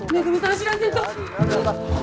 知らせんと！